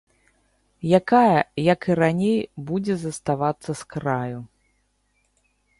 Якая, як і раней, будзе заставацца з краю.